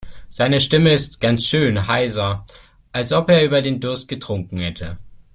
Seine Stimme ist ganz schön heiser, als ob er über den Durst getrunken hätte.